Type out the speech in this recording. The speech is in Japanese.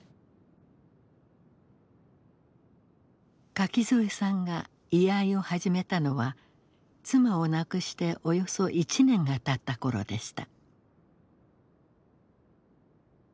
垣添さんが居合を始めたのは妻を亡くしておよそ１年がたった頃でした。